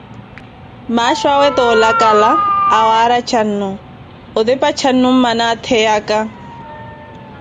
Maaxho awe toolakala, awaarya caanu, otepa caanu mmana atheyaka.